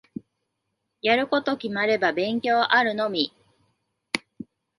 やること決まれば勉強あるのみ。